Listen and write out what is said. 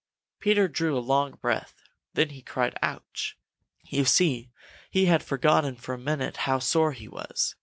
Peter drew a long breath. Then he cried "Ouch!" You see, he had forgotten for a minute how sore he was.